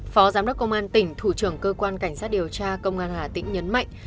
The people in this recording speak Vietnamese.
phó giám đốc công an tỉnh thủ trưởng cơ quan cảnh sát điều tra công an hà tĩnh nhấn mạnh